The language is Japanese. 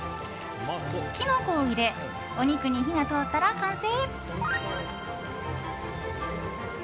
キノコを入れお肉に火が通ったら完成。